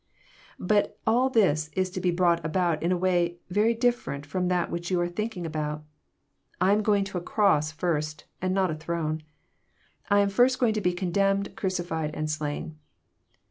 ' But all this is to be brought about in a way very difi'erent from that which you are thinking about. I am going to a cross first, and not a throne. I am going first to be condemned, crucified, and slain.